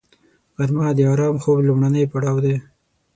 غرمه د آرام خوب لومړنی پړاو دی